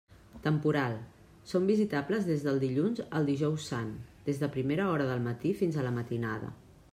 Temporal: són visitables des del dilluns al Dijous Sant, des de primera hora del matí fins a la matinada.